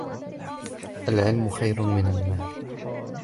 الْعِلْمُ خَيْرٌ مِنْ الْمَالِ